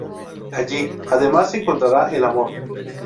Allí, además, encontrará el amor.